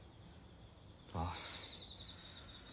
ああ。